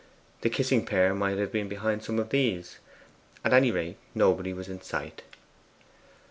The kissing pair might have been behind some of these; at any rate, nobody was in sight.